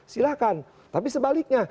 silahkan tapi sebaliknya